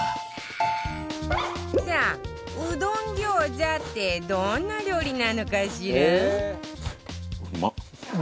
さあうどん餃子ってどんな料理なのかしら？